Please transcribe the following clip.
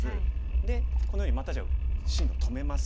でこのようにまたじゃあ進路止めます。